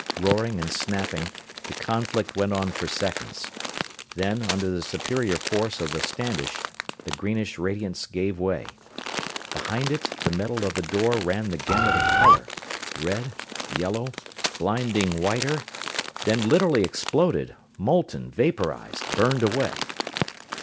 Roaring and snapping, the conflict went on for seconds; then, under the superior force of the Standish, the greenish radiance gave way. Behind it the metal of the door ran the gamut of color red, yellow, blinding whiter then literally exploded; molten, vaporized, burned away.